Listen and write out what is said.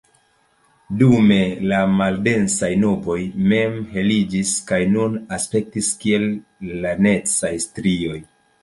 Dume la maldensaj nuboj mem heliĝis kaj nun aspektis kiel lanecaj strioj.